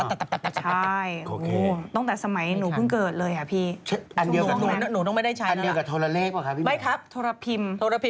อ๋อตะตะตะตะตะตะตะตะอ๋อ